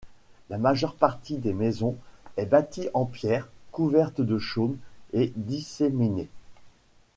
La majeure partie des maisons est bâtie en pierre, couverte de chaume et disséminée.